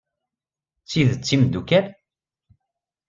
D tidet d timeddukalt?